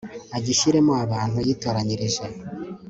agishyiremo abantu yitoranyirije